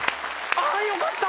あよかった！